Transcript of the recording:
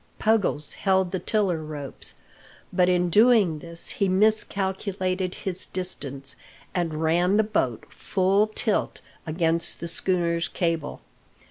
Puggles held the tiller ropes, but in doing this he miscalculated his distance, and ran the boat full tilt against the schooners cable.